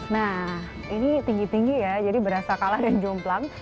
nah ini tinggi tinggi ya jadi berasa kalah dan jumplang